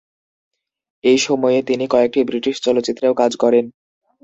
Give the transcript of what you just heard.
এই সময়ে তিনি কয়েকটি ব্রিটিশ চলচ্চিত্রেও কাজ করেন।